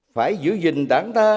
phải giữ gìn đảng ta